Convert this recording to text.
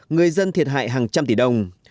người dân thiệt hại hàng trăm tỷ đồng